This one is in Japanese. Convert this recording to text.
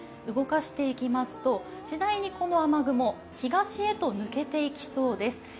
動かしていきますと次第にこの雨雲、東へと抜けていきそうです。